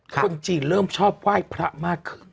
คนจีนเริ่มชอบไหว้พระมากขึ้น